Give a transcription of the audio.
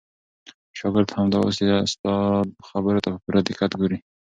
شاګرد همدا اوس د استاد خبرو ته په پوره دقت ګوري.